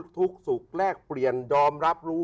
ทุกข์สุขแลกเปลี่ยนยอมรับรู้